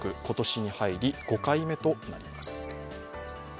今年に入り、５回目となります。